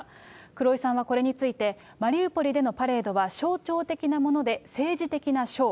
黒井さんはこれについて、マリウポリでのパレードは象徴的なもので、政治的なショー。